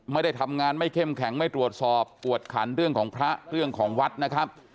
ไม่ได้ทำงานไม่เข้มแข็งไม่ตรวจสอบกวดขันเรื่องของพระเรื่องของวัดนะครับ